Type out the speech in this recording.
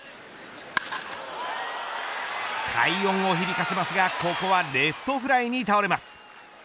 快音を響かせますがここはレフトフライに倒れます。